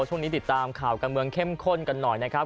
ช่วงนี้ติดตามข่าวการเมืองเข้มข้นกันหน่อยนะครับ